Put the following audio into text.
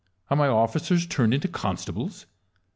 are my officers turned into constables